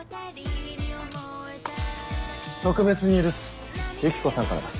特別に許すユキコさんからだ。